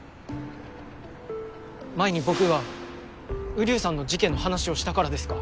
前に僕が瓜生さんの事件の話をしたからですか？